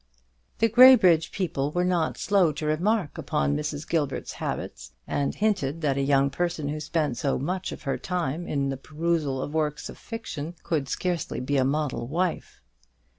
The Graybridge people were not slow to remark upon Mrs. Gilbert's habits, and hinted that a young person who spent so much of her time in the perusal of works of fiction could scarcely be a model wife.